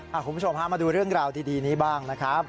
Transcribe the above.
คุณผู้ชมฮะมาดูเรื่องราวดีนี้บ้างนะครับ